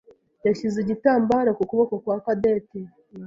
yashyize igitambaro ku kuboko kwa Cadette.